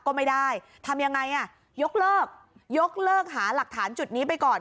ก็ไม่ได้ทำยังไงอ่ะยกเลิกยกเลิกหาหลักฐานจุดนี้ไปก่อน